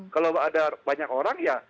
kalau ada banyak orang ya